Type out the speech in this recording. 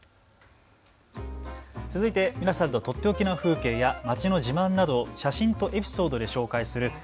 続いて皆さんのとっておきの風景や街の自慢などを写真とエピソードで紹介する＃